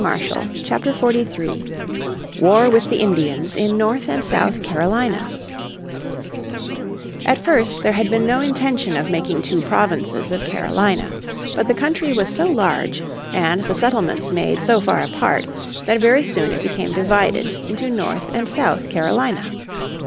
__________ Chapter 43 War With the Indians in North and South Carolina At first there had been no intention of making two provinces of Carolina. But the country was so large and the settlements made so far apart that very soon it became divided into North and South Carolina.